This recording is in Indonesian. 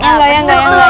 enggak enggak enggak